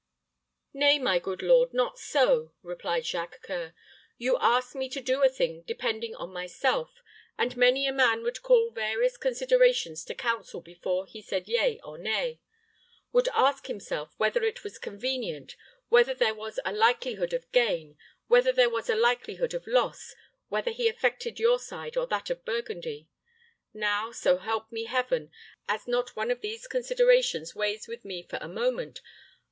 "Nay, my good lord, not so," replied Jacques C[oe]ur. "You ask me to do a thing depending on myself; and many a man would call various considerations to counsel before he said yea or nay; would ask himself whether it was convenient, whether there was a likelihood of gain, whether there was a likelihood of loss, whether he affected your side or that of Burgundy. Now, so help me Heaven, as not one of these considerations weighs with me for a moment.